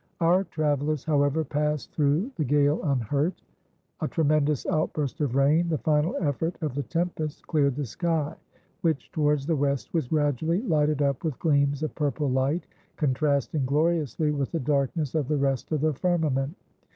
Our travellers, however, passed through the gale unhurt. A tremendous outburst of rain, the final effort of the tempest, cleared the sky, which towards the west was gradually lighted up with gleams of purple light, contrasting gloriously with the darkness of the rest of the firmament.